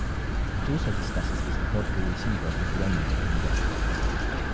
It also discusses the Slabodka Yeshiva of Lithuania in depth.